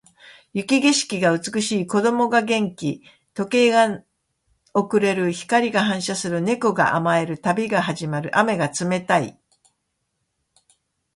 雪景色が美しい。子供が元気。時計が遅れる。光が反射する。猫が甘える。旅が始まる。雨が冷たい。